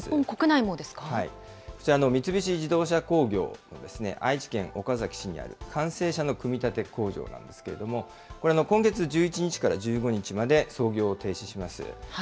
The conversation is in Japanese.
こちら、三菱自動車工業は、愛知県岡崎市にある完成車の組み立て工場なんですけれども、これは今月１１日から１５日まで操業を停止します。